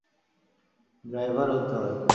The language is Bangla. ড্রাইভার হতে হয়।